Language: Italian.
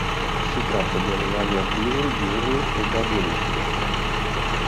Si tratta di animali erbivori, diurni ed arboricoli.